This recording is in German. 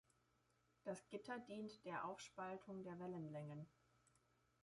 Das Gitter dient der Aufspaltung der Wellenlängen.